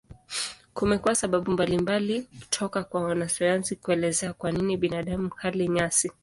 Kumekuwa sababu mbalimbali toka kwa wanasayansi kuelezea kwa nini binadamu hali nyasi.